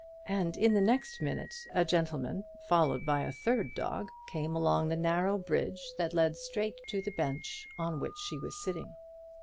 And in the next minute a gentleman, followed by a third dog, came along the narrow bridge that led straight to the bench on which she was sitting.